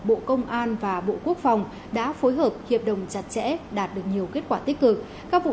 bộ công an và bộ quốc phòng đã phối hợp hiệp đồng chặt chẽ đạt được nhiều kết quả tích cực các vụ